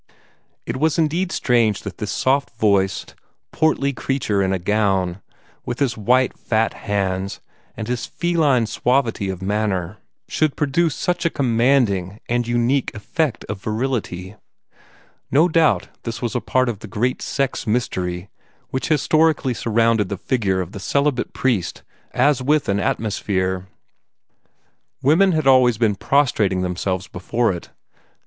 It was indeed strange that this soft voiced, portly creature in a gown, with his white, fat hands and his feline suavity of manner, should produce such a commanding and unique effect of virility. No doubt this was a part of the great sex mystery which historically surrounded the figure of the celibate priest as with an atmosphere. Women had always been prostrating themselves before it.